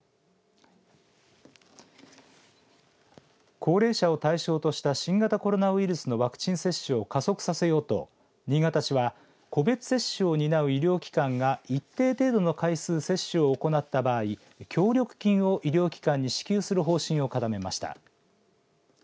高齢者を対象とした新型コロナウイルスのワクチン接種を加速させようと新潟市は個別接種を担う医療機関が一定程度の回数接種を行った場合協力金を医療機関に支給する方針を固めました。